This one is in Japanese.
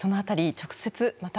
直接また